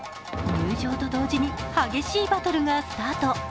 入場と同時に、激しいバトルがスタート。